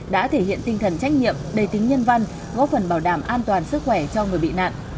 đã thể hiện tinh thần trách nhiệm đầy tính nhân văn góp phần bảo đảm an toàn sức khỏe cho người bị nạn